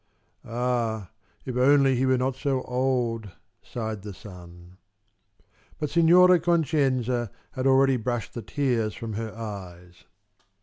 "Ah, if only he were not so old!" sighed the son. But Signora Concenza had already brushed the tears from her eyes.